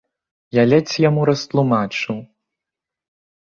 Я ледзь яму растлумачыў.